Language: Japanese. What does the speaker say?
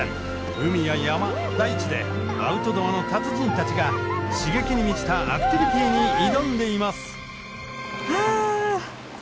海や山大地でアウトドアの達人たちが刺激に満ちたアクティビティーに挑んでいます。